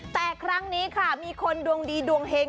แต่ครั้งนี้ค่ะมีคนดวงดีดวงเฮง